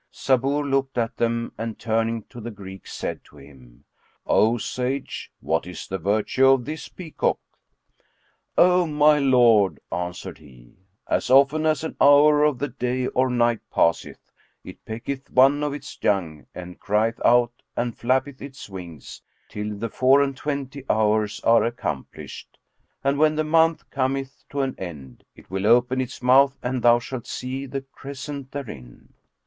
Sabur looked at them and turning to the Greek, said to him, "O sage, what is the virtue of this peacock?" "O my lord," answered he, "as often as an hour of the day or night passeth, it pecketh one of its young and crieth out and flappeth its wings, till the four and twenty hours are accomplished; and when the month cometh to an end, it will open its mouth and thou shalt see the crescent therein."